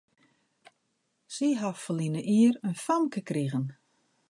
Sy ha ferline jier in famke krigen.